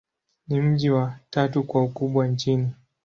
Ni mji wa tatu kwa ukubwa nchini.